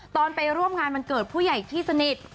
ไปร่วมงานวันเกิดผู้ใหญ่ที่สนิท